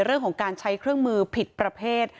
เรื่องของการใช้เครื่องมือผิดประเภท